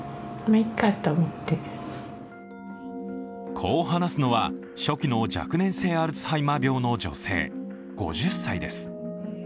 こう話するのは、初期の若年性アルツハイマー病の女性５０歳です。